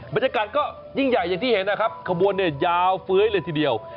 บรรยากาศก็ยิ่งใหญ่อย่างที่เห็นนะครับขบวนเนี่ยยาวเฟ้ยเลยทีเดียว